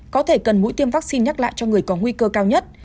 có thể cần mũi tiêm vaccine nhắc lại cho người có nguy cơ cao nhất